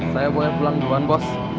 saya boleh pulang duluan bos